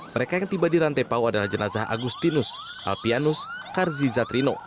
mereka yang tiba di rantai pau adalah jenazah agustinus alpianus karzi zatrino